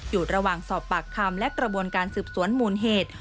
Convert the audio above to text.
อยู่ระหว่างสอบปากคำและกระบวนการสืบสวนมูลเหตุ